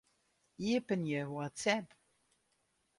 Iepenje WhatsApp.